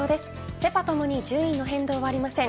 セ、パともに順位の変動はありません。